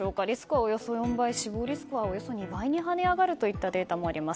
およそ４倍死亡リスクはおよそ２倍に跳ね上がるデータもあります。